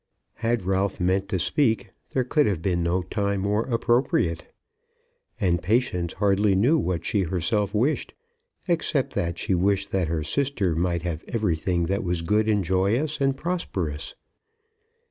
Had Ralph meant to speak there could have been no time more appropriate. And Patience hardly knew what she herself wished, except that she wished that her sister might have everything that was good and joyous and prosperous.